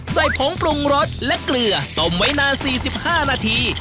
ผงปรุงรสและเกลือต้มไว้นาน๔๕นาที